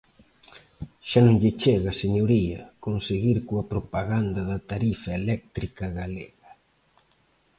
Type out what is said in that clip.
Xa non lle chega, señoría, con seguir coa propaganda da tarifa eléctrica galega.